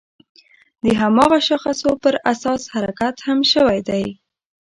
د هماغه شاخصو پر اساس حرکت هم شوی دی.